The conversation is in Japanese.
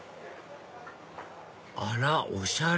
あらおしゃれ